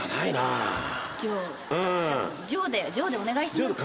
上でお願いします。